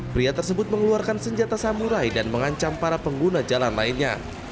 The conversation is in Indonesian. pria tersebut mengeluarkan senjata samurai dan mengancam para pengguna jalan lainnya